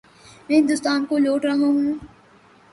میں ہندوستان کو لوٹ رہا ہوں۔